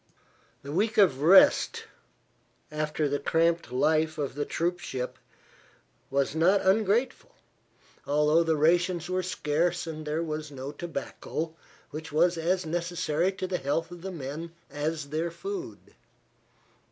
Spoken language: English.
This week of rest, after the cramped life of the troop ship, was not ungrateful, although the rations were scarce and there was no tobacco, which was as necessary to the health of the men as their food.